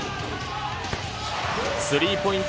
スリーポイント